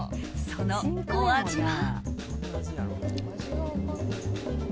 そのお味は。